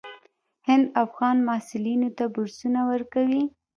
هند افغان محصلینو ته بورسونه ورکوي.